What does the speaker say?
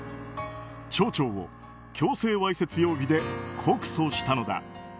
町長を強制わいせつ容疑で告訴したのだ。